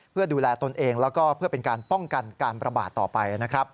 เพื่อดูแลตนเองแล้วก็เพื่อเป็นการป้องกันการประบาดต่อไปนะครับ